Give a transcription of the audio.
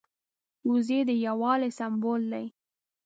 وزې د یو والي سمبول دي